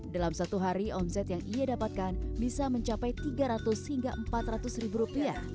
dalam satu hari omset yang ia dapatkan bisa mencapai rp tiga ratus hingga rp empat ratus ribu rupiah